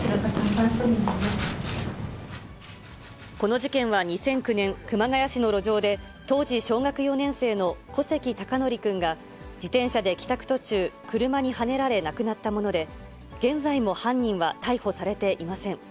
この事件は２００９年、熊谷市の路上で、当時小学４年生の小関孝徳君が、自転車で帰宅途中、車にはねられ亡くなったもので、現在も犯人は逮捕されていません。